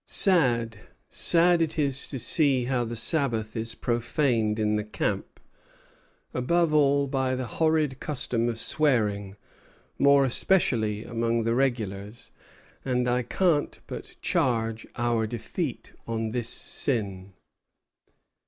"Sad, sad it is to see how the Sabbath is profaned in the camp," above all by "the horrid custom of swearing, more especially among the regulars; and I can't but charge our defeat on this sin."